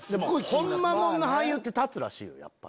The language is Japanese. ホンマもんの俳優ってたつらしいよ。